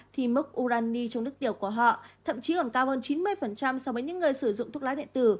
thì mức urani trong nước tiểu của họ thậm chí còn cao hơn chín mươi so với những người sử dụng thuốc lá điện tử